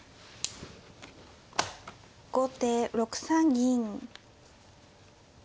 後手６三銀。